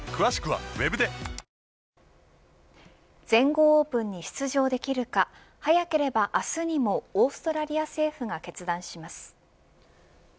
全豪オープンに出場できるか早ければ明日にもオーストラリア政府が決断します。